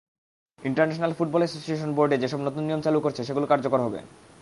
International football association board যেসব নতুন নিয়ম চালু করেছে, সেগুলো কার্যকর হবে।